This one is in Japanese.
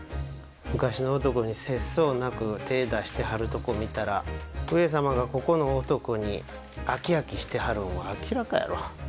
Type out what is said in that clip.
昔の男に節操なく手ぇ出してはるとこ見たら上様がここの男に飽き飽きしてはるんは明らかやろ？